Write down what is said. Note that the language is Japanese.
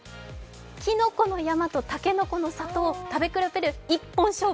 きのこの山とたけのこの里食べ比べ一本勝負。